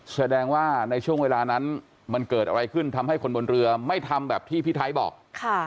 แสดงว่าในช่วงเวลานั้นมันเกิดอะไรขึ้นทำให้คนบนเรือไม่ทำแบบที่พี่ไทยบอกค่ะ